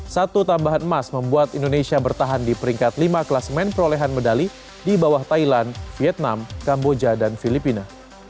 satu tambahan emas membuat indonesia bertahan di peringkat lima kelas main perolehan medali di bawah thailand vietnam kamboja dan filipina